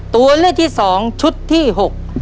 ตัวเลือกที่สองชุดที่๖